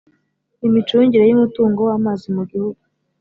imicungire y umutungo w amazi mu Gihugu